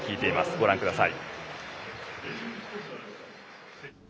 ご覧ください。